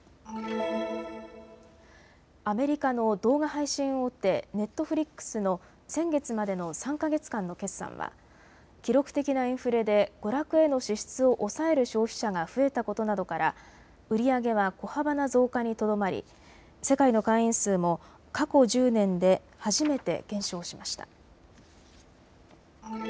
アメリカの動画配信大手、ネットフリックスの先月までの３か月間の決算は記録的なインフレで娯楽への支出を抑える消費者が増えたことなどから売り上げは小幅な増加にとどまり世界の会員数も過去１０年で初めて減少しました。